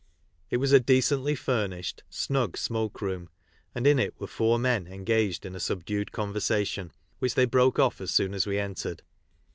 It was a decently furnished, snug smoke room, and in it were four men engaged in a subdued conversation, which they broke off as soon as we entered.